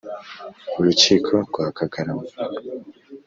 Urukiko rwa Kagarama